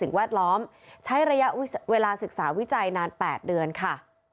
แวดล้อมใช้ระยะเวลาศึกษาวิจัยนาน๘เดือนค่ะ